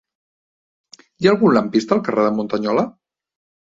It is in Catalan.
Hi ha algun lampista al carrer de Muntanyola?